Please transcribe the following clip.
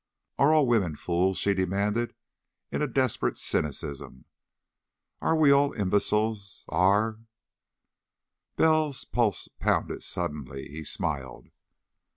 "Are all women fools?" she demanded in a desperate cynicism. "Are we all imbeciles? Are " Bell's pulse pounded suddenly. He smiled.